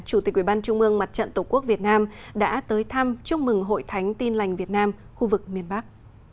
chủ tịch ubnd mặt trận tổ quốc việt nam đã tới thăm chúc mừng hội thánh tin lành việt nam khu vực miền bắc